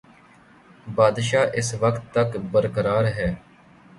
بادشاہ اس وقت تک برقرار ہے۔